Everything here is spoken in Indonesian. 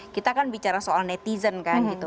kita kan bicara soal netizen kan gitu